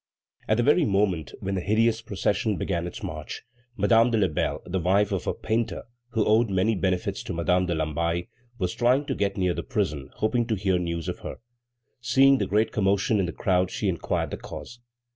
At the very moment when the hideous procession began its march, Madame de Lebel, the wife of a painter, who owed many benefits to Madame de Lamballe, was trying to get near the prison, hoping to hear news of her. Seeing the great commotion in the crowd, she inquired the cause.